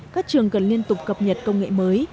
các trường cần liên tục cập nhật công nghệ mới